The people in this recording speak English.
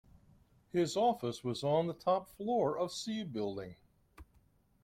His office was on the top floor of C building.